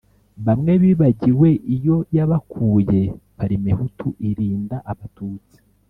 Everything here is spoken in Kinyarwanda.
bamwe bibagiwe iyo yabakuye. parmehutu irinda abatutsi